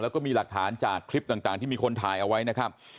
แล้วก็มีหลักฐานจากคลิปต่างที่มีคนถ่ายเอาไว้นะครับ